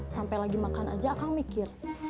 sampai lagi makan aja kang mikir